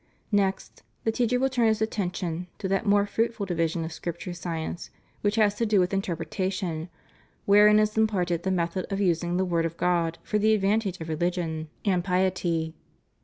Next, the teacher will turn his attention to that more fruitful division of Scripture science which has to do with interpretation, wherein is imparted the method of using the Word of God for the advantage of reUgion 284 THE STUDY OF HOLY SCRIPTURE. and piety.